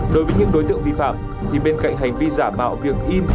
đối với những đối tượng vi phạm thì bên cạnh hành vi giả mạo việc in